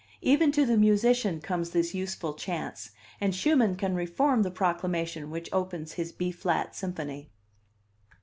Even to the musician comes this useful chance, and Schumann can reform the proclamation which opens his B flat Symphony.